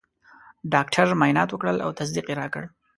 ډاکټر معاینات وکړل او تصدیق یې راکړ.